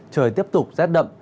trời tiếp tục rét đậm